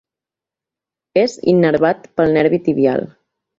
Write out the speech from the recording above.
És innervat pel nervi tibial.